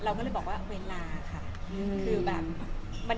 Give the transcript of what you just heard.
เราก็เลยบอกว่าเวลาค่ะ